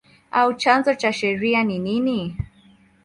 au chanzo cha sheria ni nini?